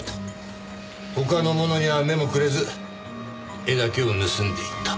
他のものには目もくれず絵だけを盗んでいった。